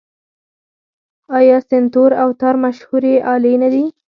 آیا سنتور او تار مشهورې الې نه دي؟